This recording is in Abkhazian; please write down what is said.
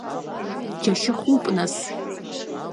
Џьашьахәуп, нас.